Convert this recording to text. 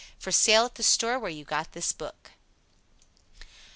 For Sale at the Store where you got this book.